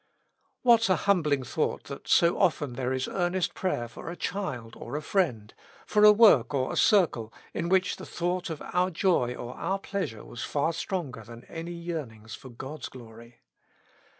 What a humbling thought that so often there is earnest prayer for a child or a friend, for a work or a circle, in which the thought of our joy or our pleasure was far stronger than any yearnings for God's glory.